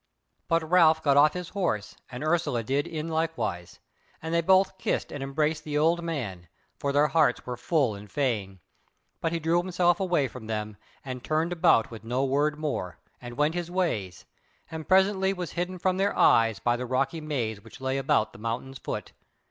But Ralph got off his horse, and Ursula did in likewise, and they both kissed and embraced the old man, for their hearts were full and fain. But he drew himself away from them, and turned about with no word more, and went his ways, and presently was hidden from their eyes by the rocky maze which lay about the mountain's foot.